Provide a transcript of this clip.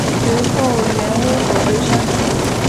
随后原微博被删除。